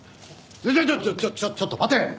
ちょちょちょっと待て！